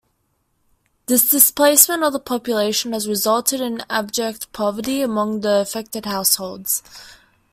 This displacement of the population has resulted in abject poverty among the affected households.